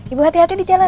ibu hati hati di jalan